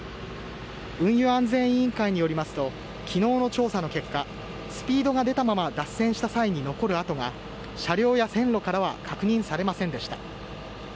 運輸安全委員会によりますと昨日の調査の結果スピードが出たまま脱線した際に残る跡が車両や線路からは確認されませんでした。